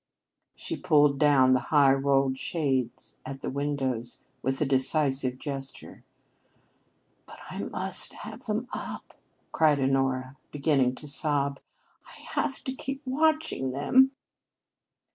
She pulled down the high rolled shades at the windows with a decisive gesture. "But I must have them up," cried Honora, beginning to sob. "I have to keep watching them."